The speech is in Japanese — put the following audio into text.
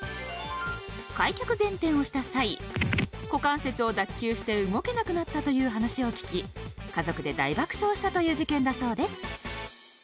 開脚前転をした際股関節を脱臼して動けなくなったという話を聞き家族で大爆笑をしたという事件だそうです。